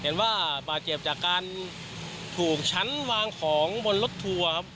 บาดเจ็บจากการถูกชั้นวางของบนรถทัวร์ครับ